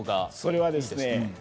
それはですね